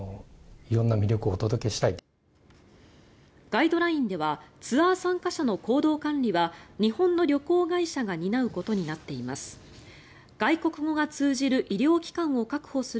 ガイドラインではツアー参加者の行動管理は日本の旅行会社が担うことになっています。